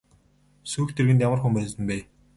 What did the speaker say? Сүйх тэргэнд ямар хүн байсан бэ?